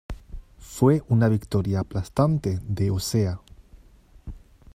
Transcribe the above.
Fue una victoria aplastante de Osea.